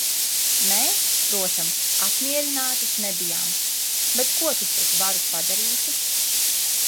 Mēs, protams, apmierinātas nebijām, bet ko tu pret varu padarīsi?